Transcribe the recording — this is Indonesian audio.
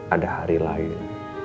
ada hari lain